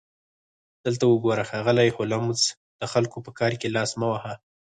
دلته وګوره ښاغلی هولمز د خلکو په کار کې لاس مه وهه